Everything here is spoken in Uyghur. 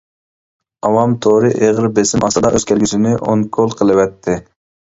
ئاۋام تورى ئېغىر بېسىم ئاستىدا ئۆز كەلگۈسىنى ئونكول قىلىۋەتتى.